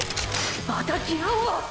またギアを！！